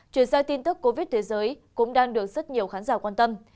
chuyển sang tin tức covid thế giới cũng đang được rất nhiều khán giả quan tâm